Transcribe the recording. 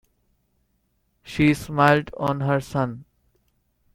She smiled on her son.